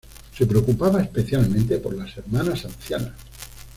Se preocupaba especialmente por las hermanas ancianas.